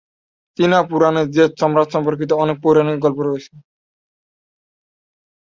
চীনা পুরাণে জেড সম্রাট সম্পর্কিত অনেক পৌরাণিক গল্প রয়েছে।